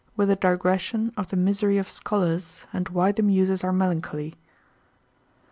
With a Digression of the misery of Scholars, and why the Muses are Melancholy_.